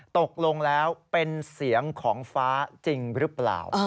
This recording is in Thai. ตกลงแล้วเป็นเสียงของฟ้าจริงหรือเปล่า